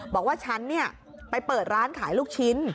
บอกว่าฉันไปเปิดร้านขายลูกชิ้น